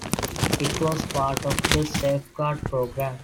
It was part of the Safeguard Program.